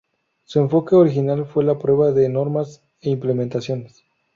Su enfoque original fue la prueba de normas e implementaciones.